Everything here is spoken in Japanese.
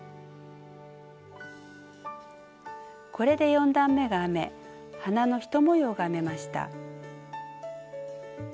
これで４段めが編め花の１模様が編めました。